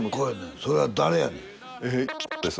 それは誰やねん？です。